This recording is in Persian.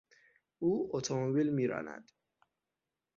او اتومبیل میراند.